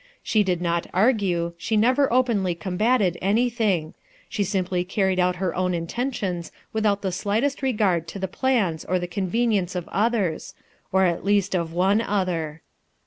She did not argue, she never openly combated any thing; she simply carried out her own intentions without the slightest regard to the plans or the convenience of others; or at least of one other.